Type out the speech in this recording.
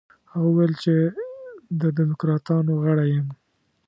هغه وویل چې د دموکراتانو غړی یم.